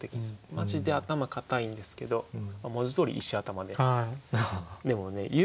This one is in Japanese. マジで頭固いんですけど文字どおり石頭で。